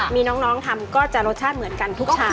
มีน้องทำก็จะรสชาติเหมือนกันทุกชาม